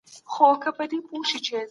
هغه د ټولنپوهنې مخکښ فيلسوف و.